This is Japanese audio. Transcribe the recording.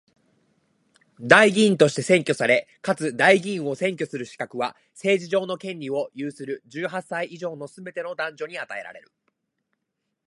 代議員として選挙され、かつ代議員を選挙する資格は、政治上の権利を有する十八歳以上のすべての男女に与えられる。